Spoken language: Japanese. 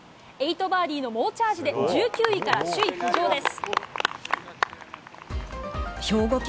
８バーディーの猛チャージで１９位から首位浮上です。